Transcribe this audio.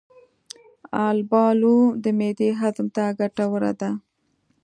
البالو د معدې هضم ته ګټوره ده.